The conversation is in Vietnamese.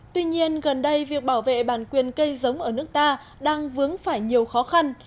tuy nhiên gần đây việc bảo vệ bản quyền cây giống ở nước ta đang vướng phải nhiều khó khăn